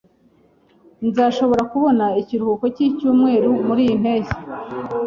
Nzashobora kubona ikiruhuko cyicyumweru muriyi mpeshyi